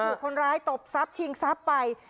ถูกคนร้ายตบทรัพย์ชิงทรัพย์ไป